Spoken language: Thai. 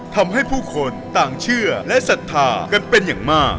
ทำให้ผู้คนต่างเชื่อและศรัทธากันเป็นอย่างมาก